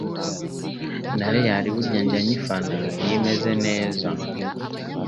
Na real burya njya nyifana iyo imeze neza